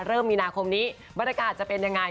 เริ่มมีนาคมนี้บรรยากาศจะเป็นอย่างไร